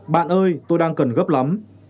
bạn ơi tôi đang cần gấp lắm